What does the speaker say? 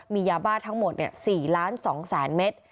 มียาบาททั้งหมดเนี่ย๔ล้าน๒แสนเม็ด